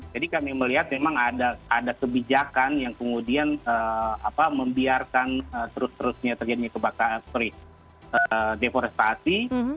jadi kami melihat memang ada kebijakan yang kemudian membiarkan terus terusnya terjadi kebakaran teori deforestasi